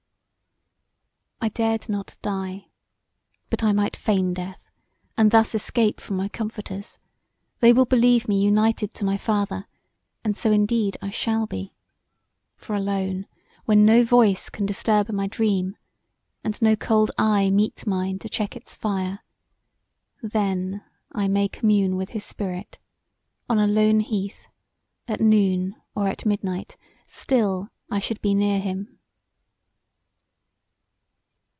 I dared not die, but I might feign death, and thus escape from my comforters: they will believe me united to my father, and so indeed I shall be. For alone, when no voice can disturb my dream, and no cold eye meet mine to check its fire, then I may commune with his spirit; on a lone heath, at noon or at midnight, still I should be near him.